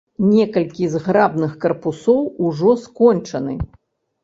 Некалькі зграбных карпусоў ужо скончаны.